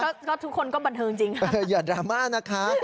ก็ทุกคนก็บันเทิงจริงค่ะอย่าดราม่านะคะ